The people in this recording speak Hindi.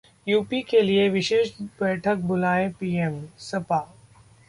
यूपी के लिए विशेष बैठक बुलाएं पीएम: सपा